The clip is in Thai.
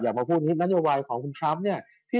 อยากมาพูดนี้นโยบายของคุณทรัพย์เนี่ย